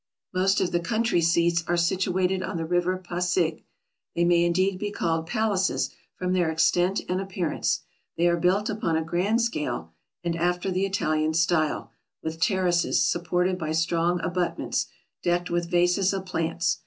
Most of the country seats are situated on the river Pasig ; they may indeed be called pal aces, from their extent and appearance. They are built upon a grand scale, and after the Italian style, with ter races, supported by strong abutments, decked with vases of plants.